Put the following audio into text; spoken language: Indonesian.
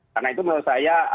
karena itu menurut saya